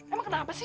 emang kenal apa sih